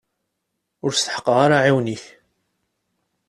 Ur steḥqeɣ ara aɛiwen-ik.